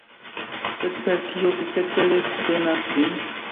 Sed per kio vi cetere vivtenas vin?